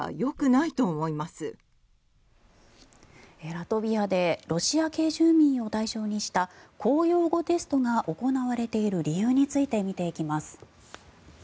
ラトビアでロシア系住民を対象にした公用語テストが行われている理由について見ていきます。